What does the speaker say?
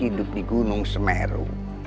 hidup di gunung semeru